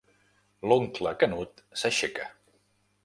L'oncle Canut s'aixeca.